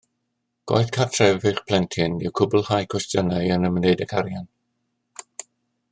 Gwaith cartref eich plentyn yw cwblhau cwestiynau yn ymwneud ag arian